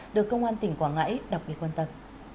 được công an tỉnh quảng ngãi đọc bị quan tâm